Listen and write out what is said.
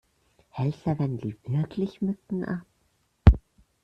Hält Lavendel wirklich Mücken ab?